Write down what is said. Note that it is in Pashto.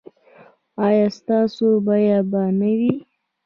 ایا ستاسو بیمه به نه وي؟